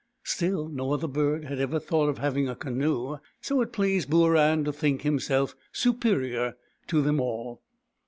Still, no other bird had ever thought of having a canoe, so it pleased Booran to think himself superior to them all.